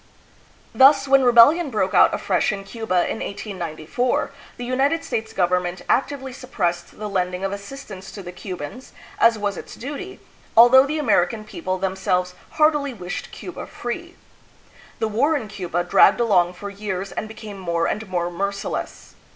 Thus, when rebellion broke out afresh in Cuba in 1894, the United States government actively suppressed the lending of assistance to the Cubans, as was its duty, al though the American people themselves heartily wished Cuba free. The war in Cuba dragged along for years and became more and more merciless.